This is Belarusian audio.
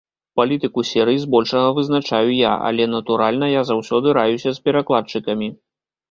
Палітыку серыі збольшага вызначаю я, але, натуральна, я заўсёды раюся з перакладчыкамі.